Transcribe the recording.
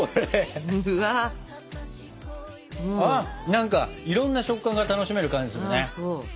何かいろんな食感が楽しめる感じするね。